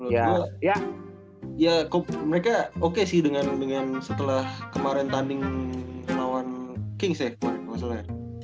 ya ya ya kok mereka oke sih dengan dengan setelah kemarin tanding lawan kings ya